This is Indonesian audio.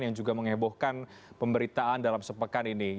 yang juga mengebohkan pemberitaan dalam sepekan ini